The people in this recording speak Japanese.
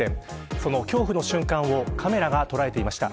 その恐怖の瞬間をカメラが捉えていました。